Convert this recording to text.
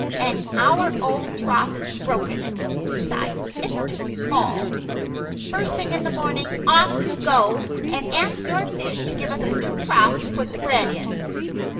And our old trough is broken; besides, it's too small. First thing in the morning off you go, and ask your fish to give us a new trough to put the bread in."